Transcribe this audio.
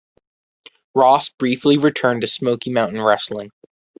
Ross briefly returned to Smoky Mountain Wrestling.